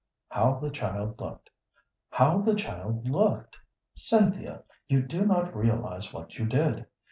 "How the child looked how the child looked; Cynthia, you do not realize what you did.